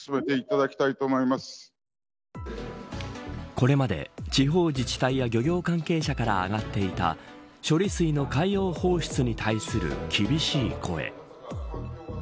これまで地方自治体や漁業関係者から挙がっていた処理水の海洋放出に対する厳しい声。